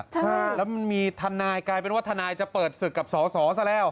ใช่แล้วมันมีทนายกลายเป็นว่าทนายจะเปิดศึกกับสอสอซะแล้ว